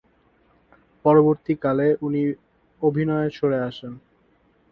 পরবর্তীকালে উনি অভিনয়ে সরে আসেন।